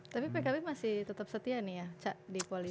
tapi pkb masih tetap setia nih ya cak di koalisi